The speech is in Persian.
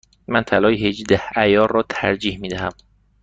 من طلای هجده عیار را ترجیح می دهم.